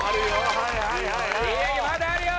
まだあるよ！